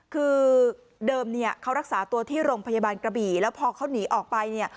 คือเดิมเนี่ยเขารักษาตัวที่โรงพยาบาลกระบี่แล้วพอเขาหนีออกไปเนี่ย